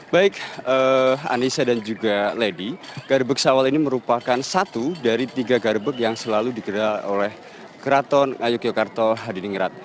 baik anissa dan juga lady gerbek sawal ini merupakan satu dari tiga gerbek yang selalu digelar oleh keraton yogyakarta hadiningrat